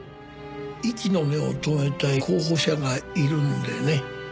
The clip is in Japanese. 息の根を止めたい候補者がいるんでね。